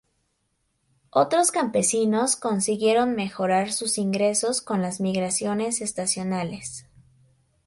Otros campesinos consiguieron mejorar sus ingresos con las migraciones estacionales.